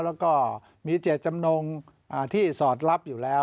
แล้วก็มีเจตจำนงที่สอดรับอยู่แล้ว